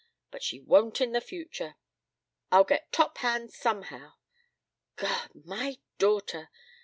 But she won't in the future. I'll get top hand somehow. God! My daughter!